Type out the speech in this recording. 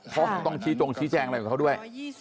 เขาต้องชี้จงชี้แจงอะไรกับเขาด้วย